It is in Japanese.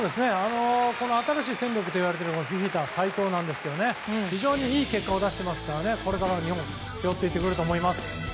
新しい戦力と言われているフィフィタ、齋藤なんですが非常にいい結果を出してますからこれから日本を背負っていってくれると思います。